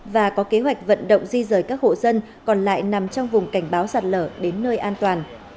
và có kế hoạch vận động di rời các hộ dân còn lại nằm trong vùng cảnh báo sạt lở đến nơi an toàn